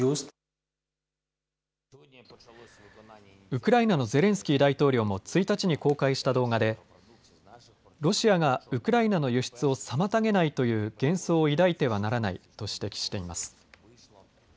ウクライナのゼレンスキー大統領も１日に公開した動画でロシアがウクライナの輸出を妨げないという幻想を抱いてはならないと指摘しています。